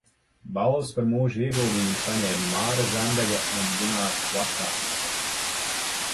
Balvas par mūža ieguldījumu saņēma Māra Zemdega un Gunārs Placēns.